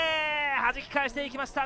はじき返して行きました。